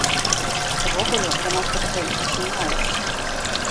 Увогуле, яна з гэтага і пачынаецца.